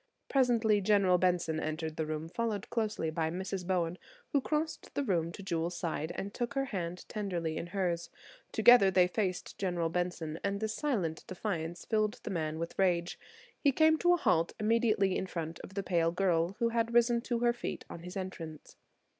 Presently General Benson entered the room closely followed by Mrs. Bowen, who crossed the room to Jewel's side and took her hand tenderly in hers. Together they faced General Benson, and this silent defiance filled the man with rage. He came to a halt immediately in front of the pale girl, who had risen to her feet on his entrance.